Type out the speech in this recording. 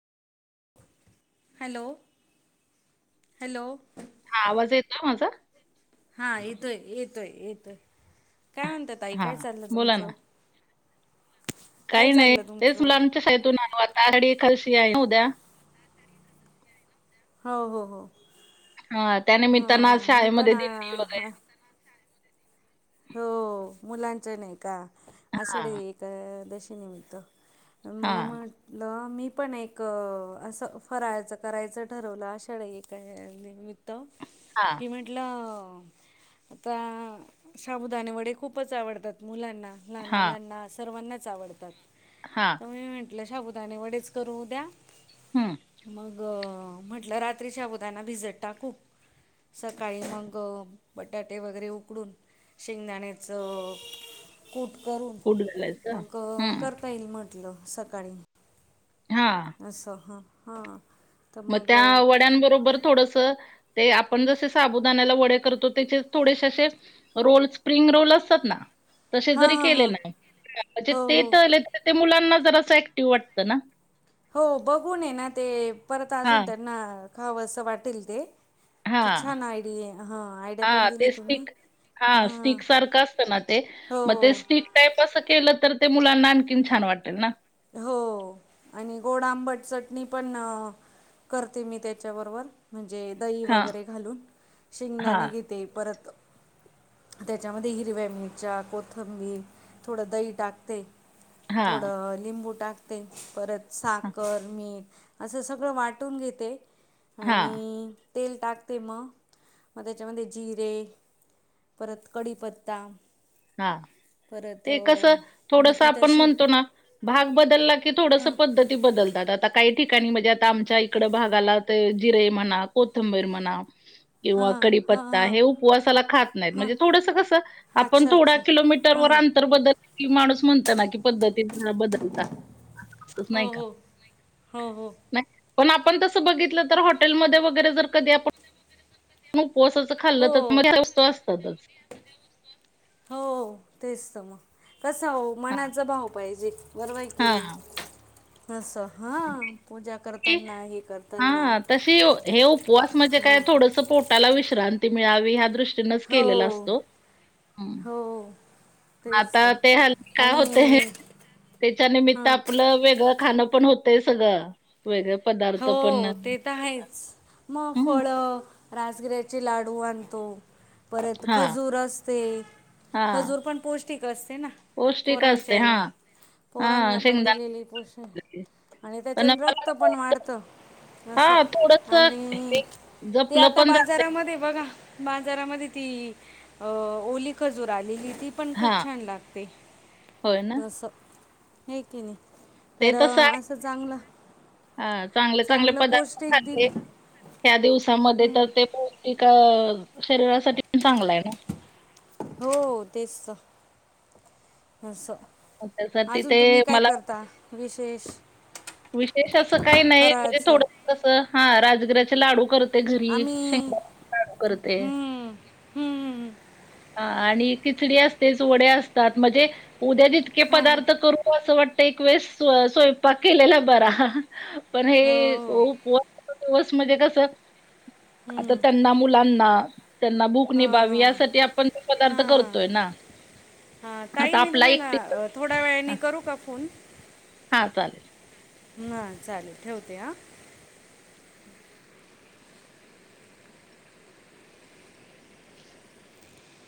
Hello hello हा आवाज येतो माझा हा येतोय येतोय येतोय काय म्हणत्यात ताई हां. काय चाललं बोला ना. तुमचं काय काही नाही चाललं तेच तुमचं मुुलांच्या शाळेतून आलो आता आषाडी एकादशी आहे ना उद्या हो हो हो हां, त्यानिमित्तानं आज हं मी पण शाळेमध्ये दिंडी वगैरे अं हो.. मुलांचं नाही का, आषाढी हां, एकादशी निमित्त. म हां, म ल. मी पण एक असं फराळाचं करायचं ठरवलं आषाढ एका निमित्त. हा. की म्हटलं आता साबुदाणे वडे खूपच आवडतात मुलांना. लहान मुलांना सर्वांनाच आवडतात. हा तर मी म्हंटलं शाबुदाने वडेच करू द्या. हम् मग गं म्हटलं रात्री साबुदाणा भिजत टाकू. सकाळी मग अं बटाटे वगैरे उकडून. शेंगदाण्याच कूट करून, कूट घालायचं. मग हं. कर ता येल म्हटलं सकाळी. हा. असं ह हां. तर मग त्या अ, वड्यांन बरोबर थोडस. ते आपण जसे साबुदानाला वडे करतो त्याचे थोडेसे असे रोल स्प्रिंग रोल असतात ना. तसे हां जरी हां केले हां ना, म्हणजे हो ते हो तळले तर ते मुलांना जरंसं ऍक्टिव्ह वाटतं ना. हो बघून ये ना ते परत अजून हां, त्यांना खावस वाटेल ते. तर हां. छान आयडी आहे. हा आयडिया पण दिली तुम्ही. हा हां स्टिक सारखं असतं ना ते, मग ते हो स्टिक ते तसं केलं तर ते मुलांना आणखीन छान वाटेल ना. हो. आणि गोड, आंबट चटणी पण अं, करते मी त्याच्याबरोबर म्हणजे दही हां, वगैरे घालून. हां, शेंगदाणे घेते परत त्याच्यामध्ये हिरव्या मिरच्या, कोथंबीर थोडं दही टाकते. हां, थोडं लिंबू टाकते, परत हां, साखर, मीठ असं सगळं वाटून घेते, हां, आणि तेल टाकते म, म त्याच्यामध्ये जिरे परत कडिपत्ता. हा. ते कस मग थोडस ती आपण तशी म्हणतो ना. भाग बदलला की थोडस हां पद्धत ती, बदलतात. आता काही ठिकाणी म्हणजे आता आमच्या इकड भागाला ते जिरे म्हणा, कोथंबीर म्हणा ते [inaudible] किंवा हां कडीपत्ता, हां हे उपवासाला खात नाहीत. हां म्हणजे थोडस कसं आप पण अच्छा थोडा अच्छा किलोमीटर वर हां अंतर बदल की माणूस म्हणत ना, कि पद्धतीन बदलतात. असं होतंच नाही हो, का? हो, हो, हो. नाही, पण आपण तसं बघितलं तर हॉटेलमध्ये वगैरे जर कधी आपण उपवासच त खाल्ल. तर त्या हो मध्ये वस्तू असतातच. हो तेच तर मग. कसं हो मनाचा भाव पाहिजे. गर्व हाय किणी हा. असं. हां पूजा करताना हे करताना हा, तशी हे उपवास म्हणजे हां काय थोडस पो त्याला विश्रांती मिळावी ह्या दृष्टीनच केलेला हो असतो. हो तेच आता तर ते हेल काय आणि होतय. त्येच्या निमित्त हां आपलं वेगळं खाणं पण होतंय सगळं. वेगळं पदार्थ. पण हो ते तर हायच, मग हं. फळ राजगिऱ्याचे लाडू आणतो, परत हां, खजूर असते. हां. खजूर पण पौष्टिक असते ना, पौष्टिक असते. पोरांच्याला. हां, पोरांना हां. पण शेंगदाणे दिलेली पोषण, आणि पण त्याच्यान मला रक्त असं पण वाटतं वाढत. त. अस, हां, थोडंसं आणि हे ते जपलं आता पण जातंय. बाजारामध्ये बघा. बाजारामध्ये ती अ, ओली खजूर आलेली. ती पण खूप हां, छान लागते, होय ना? अस्स हे कीनी. तर, असं चांगल. हा, चांगले -चांगले पदार्थ खाल्ले. दिल त्या दिवसामध्ये तर ते पौष्टिक, शरीरासाठी पण चांगलं हाय ना. हो तेच तर, असं. मग त्यासाठी ते अजून तुम्ही काय मला करता विशेष? विशेष असं काही नाही, म्हणजे फराळाचं थोड कसं राजगिराचे लाडू करत. आम्ही हम्म, हम्ममं हा आणि खिचडी असतेच, वडे असतात मजे उद्या जितके हां, हां. पदार्थ करून असं वाटतय एक वेळेस स्व, स्वयंपाक केलेला बरा. पण हो हे हो उपवासाचे दिवस मजे कस आता हम्म, त्यांना मुलांना, त्यांना भूक हां, निभावी हां, यासाठी आपण पदार्थ करतोय ना. हा, ताई आता मी आपला तुम्हाना, एकटीचा थोड्या वेळाने करू का फोन? हा चालेल. हा चालेल ठेवते हा.